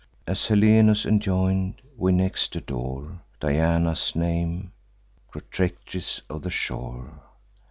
As Helenus enjoin'd, we next adore Diana's name, protectress of the shore.